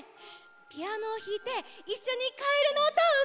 ピアノをひいていっしょに「かえるのうた」をうたったよね！